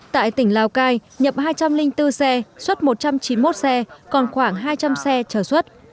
tại tỉnh lào cai nhập hai trăm linh bốn xe xuất một trăm chín mươi một xe còn khoảng hai trăm linh xe chờ xuất